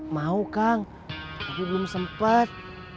mau kang tapi belum sempat